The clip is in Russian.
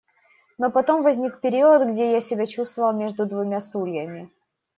Но потом возник период, где я себя чувствовала между двумя стульями.